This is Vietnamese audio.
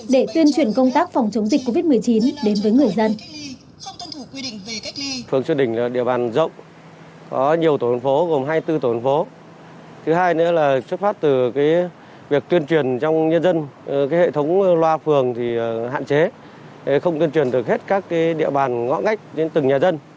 để tuyên truyền công tác phòng chống dịch covid một mươi chín đến với người dân